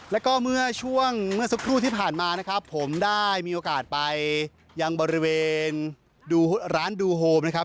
แล้วก็เมื่อช่วงเมื่อสักครู่ที่ผ่านมานะครับผมได้มีโอกาสไปยังบริเวณดูร้านดูโฮมนะครับ